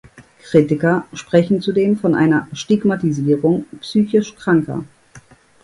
Kritiker sprechen zudem von einer Stigmatisierung psychisch Kranker.